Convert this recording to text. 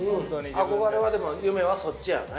憧れは夢はそっちやね。